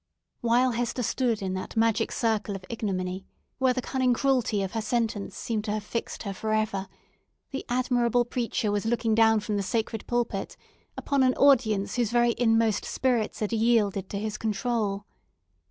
While Hester stood in that magic circle of ignominy, where the cunning cruelty of her sentence seemed to have fixed her for ever, the admirable preacher was looking down from the sacred pulpit upon an audience whose very inmost spirits had yielded to his control.